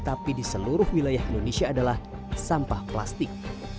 tapi di seluruh wilayah indonesia adalah sampah plastik